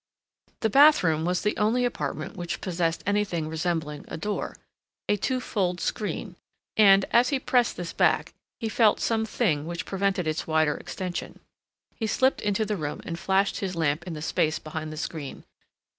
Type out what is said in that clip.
The bathroom was the only apartment which possess anything resembling a door a two fold screen and as he pressed this back, he felt some thing which prevented its wider extension. He slipped into the room and flashed his lamp in the space behind the screen.